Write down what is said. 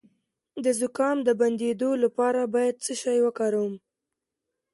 د زکام د بندیدو لپاره باید څه شی وکاروم؟